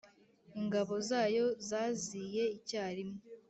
ingabo zayo zaziye icyarimwe,